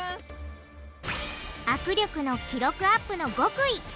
握力の記録アップの極意。